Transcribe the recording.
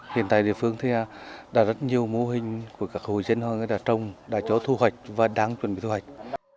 hiện tại địa phương thì đã rất nhiều mô hình của các hồ dân trong đại chỗ thu hoạch và đang chuẩn bị thu hoạch